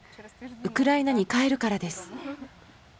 ウクライナに帰るからです。